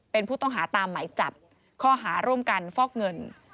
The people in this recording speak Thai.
เป็นผู้ต้องหาตามหมายจับข้อหาร่วมกันฟอกเงิน